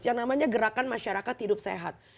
yang namanya gerakan masyarakat hidup sehat